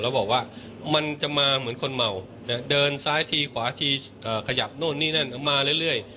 แล้วบอกว่ามันจะมาเหมือนคนเมาเดินซ้ายทีขวาทีขยับนู่นนี่นั่นมาเรื่อย